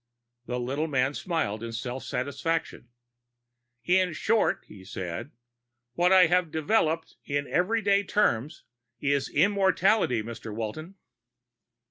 The little man smiled in self satisfaction. "In short," he said, "what I have developed, in everyday terms, is immortality, Mr. Walton."